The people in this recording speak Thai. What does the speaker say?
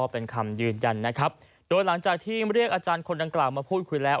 เป็นคำยืนยันนะครับโดยหลังจากที่เรียกอาจารย์คนดังกล่าวมาพูดคุยแล้ว